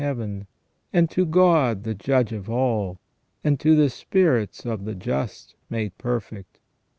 285 Heaven, and to God the judge of all, and to the spirits of the just made perfect